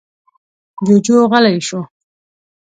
جوجو غلی شو.